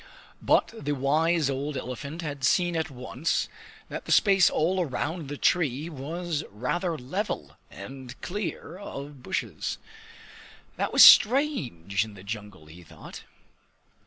But the wise old elephant had seen at once that the space all around the tree was rather level and clear of bushes. That was strange in the jungle, he thought!